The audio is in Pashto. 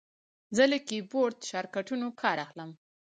زه له کیبورډ شارټکټونو کار اخلم.